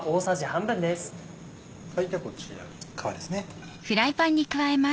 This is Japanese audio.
ではこちらに皮ですね。